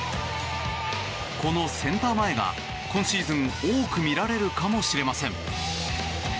このセンター前が、今シーズン多く見られるかもしれません。